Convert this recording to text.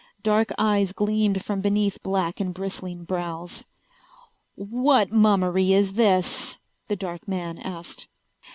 Dark eyes gleamed from beneath black and bristling brows. "What mummery is this?" the dark man asked.